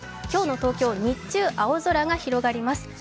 今日の東京、日中青空が広がります